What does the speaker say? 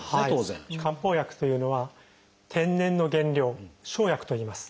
漢方薬というのは天然の原料「生薬」といいます。